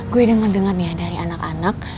gue denger denger nih ya dari anak anak